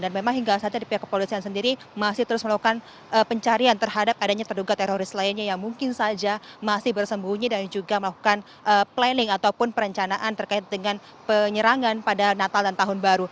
dan memang hingga saat ini pihak kepolisian sendiri masih terus melakukan pencarian terhadap adanya terduga teroris lainnya yang mungkin saja masih bersembunyi dan juga melakukan planning ataupun perencanaan terkait dengan penyerangan pada natal dan tahun baru